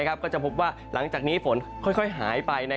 ก็จะพบว่าหลังจากนี้ฝนค่อยหายไป